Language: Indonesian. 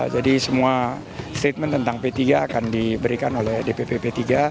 jadi semua statement tentang p tiga akan diberikan oleh dpp p tiga